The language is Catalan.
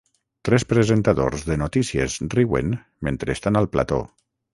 Tres presentadors de notícies riuen mentre estan al plató.